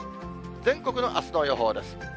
全国のあすの予報です。